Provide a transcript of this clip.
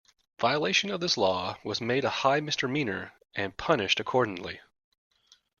Violation of this law was made a high misdemeanor and punished accordingly.